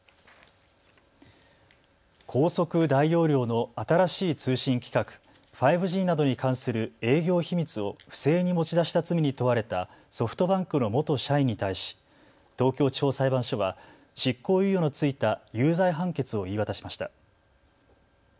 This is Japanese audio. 高速・大容量の新しい通信規格、５Ｇなどに関する営業秘密を不正に持ち出した罪に問われたソフトバンクの元社員に対し東京地方裁判所は執行猶予の付いた有罪判決を言い渡しました。